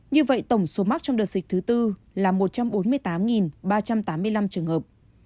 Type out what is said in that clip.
như vậy tổng số mắc trong đợt dịch thứ tư là một trăm bốn mươi tám ba trăm tám mươi năm trường hợp